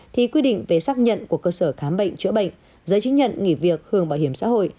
thì quy định về xác nhận của cơ sở khám bệnh chữa bệnh giấy chứng nhận nghỉ việc hưởng bảo hiểm xã hội